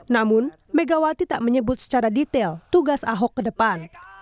namun megawati tak menyebut secara detail tugas ahok ke depan